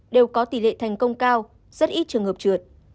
đều có tỷ lệ thành công cao rất ít trường hợp trượt